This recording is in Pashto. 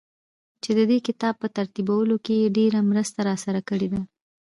چي ددې کتاب په ترتيبولو کې يې ډېره مرسته راسره کړې ده.